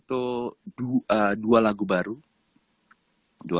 nanti akan akan tayang di bulan desember akan really sorry akan rilis buatnya itu btr gini nih